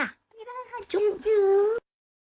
บ๊ายบายค่ะจุ๊บจุ๊บ